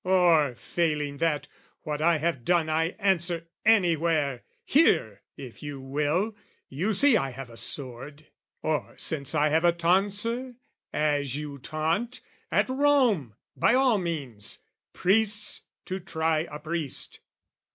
or, failing that, "What I have done I answer, anywhere, "Here, if you will; you see I have a sword: "Or, since I have a tonsure as you taunt, "At Rome, by all means, priests to try a priest.